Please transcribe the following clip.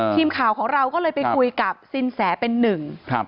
ทีมข่าวของเราก็เลยไปคุยกับสินแสเป็นหนึ่งครับ